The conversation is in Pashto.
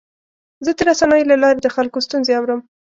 زه د رسنیو له لارې د خلکو ستونزې اورم.